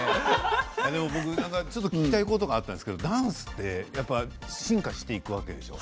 聞きたいことがあったんですけどダンスって進化していくわけでしょう？